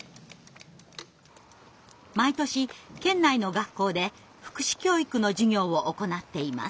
毎年県内の学校で福祉教育の授業を行っています。